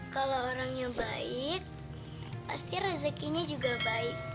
kalau orangnya baik pasti rezekinya juga baik